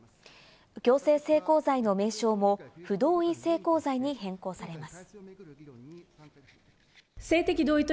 強制性交罪の名称も不同意性交罪に変更されます。